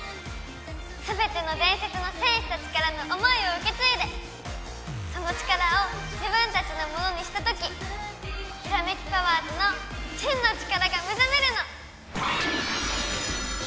すべての伝説の戦士たちからの思いを受け継いでその力を自分たちのものにしたときキラメキパワーズの真の力が目覚めるの！